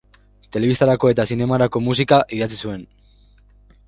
Telebistarako eta zinemarako musika idatzi zuen.